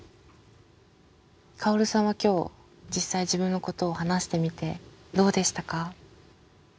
カオルさんは今日実際自分のことを話してみてどうでしたか？